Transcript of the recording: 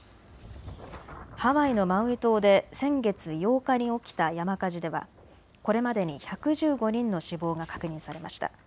ハワイのマウイ島で先月８日に起きた山火事ではこれまでに１１５人の死亡が確認されました。